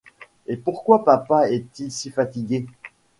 Et pourquoi papa est-il si fatigué ?